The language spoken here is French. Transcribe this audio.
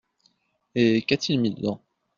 Et qu’a-t-il mis dedans ?